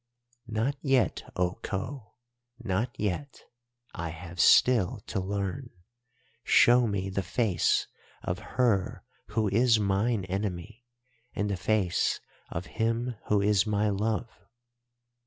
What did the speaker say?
"'Not yet, O Khou—not yet. I have still to learn. Show me the face of her who is mine enemy, and the face of him who is my love.